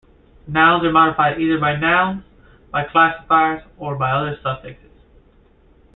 Nouns are modified either by nouns, by classifiers, or by other suffixes.